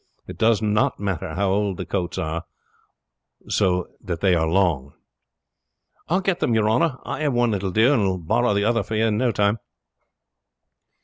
It does not matter how old the coats are so that they are long." "I will get them your honor. I have one that will do, and will borrow the other for you in no time."